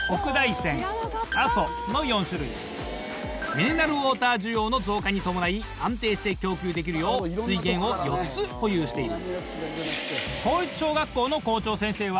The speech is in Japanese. ミネラルウォーター需要の増加に伴い安定して供給できるよう水源を４つ保有している。